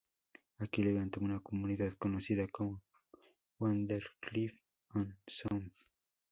Aquí levantó una comunidad conocida como Wardenclyffe-On-Sound.